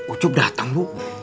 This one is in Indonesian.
ucup dateng bu